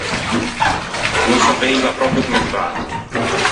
A no saveiva pròpio comme fâ.